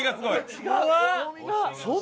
違う。